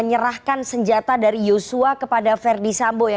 menyerahkan senjata dari yosua kepada verdi sambo ya